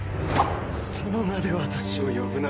その名で私を呼ぶな。